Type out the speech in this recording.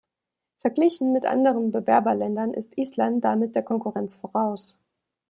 Verglichen mit anderen Bewerberländern ist Island damit der Konkurrenz voraus.